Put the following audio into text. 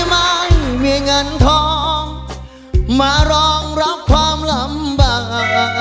ไม่มีเงินทองมารองรับความลำบาก